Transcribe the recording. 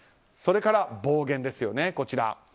それから、暴言ですよね。